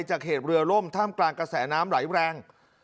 จากเหตุเรือล่มท่ามกลางกระแสน้ำไหลแรง